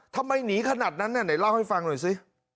ทำไมหนีขนาดนั้นน่ะไหนเล่าให้ฟังหน่อยสิ